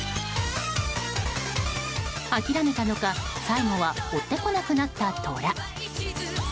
諦めたのか最後は追ってこなくなったトラ。